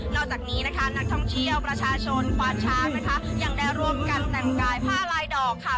จากนี้นะคะนักท่องเที่ยวประชาชนควานช้างนะคะยังได้ร่วมกันแต่งกายผ้าลายดอกค่ะ